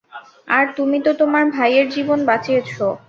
আর তুমি তো তোমার ভাইয়ের জীবন বাঁচিয়েছ।